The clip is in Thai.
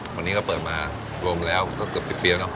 วันนี้ก็เปิดมารวมแล้วก็เกือบ๑๐ปีแล้วเนาะ